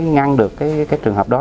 ngăn được cái trường hợp đó